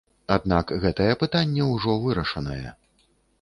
Аднак гэтае пытанне ўжо вырашанае.